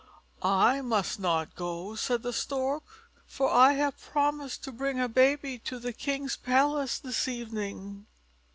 "I must not go," said the Stork, "for I have promised to bring a baby to the King's palace this evening."